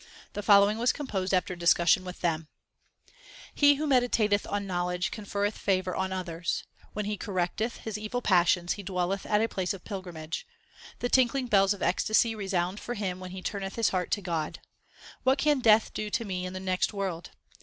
The following was composed after a discussion with them : He who meditateth on knowledge conferreth favour on others ; When he correcteth his evil passions he dwelleth at a place of pilgrimage ; The tinkling bells of ecstasy resound for him when he turneth his heart to God. What can Death do to me in the next world